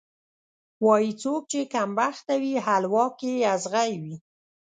وایي: څوک چې کمبخته وي، حلوا کې یې ازغی وي.